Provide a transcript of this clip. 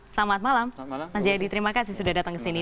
selamat malam mas jayadi terima kasih sudah datang ke sini